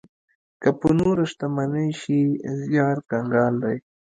که په نوره شتمنۍ شي، زيار کنګال دی.